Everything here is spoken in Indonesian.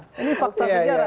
ini fakta sejarah